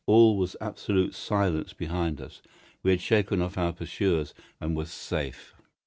All was absolute silence behind us. We had shaken off our pursuers and were safe.